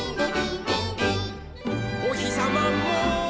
「おひさまも」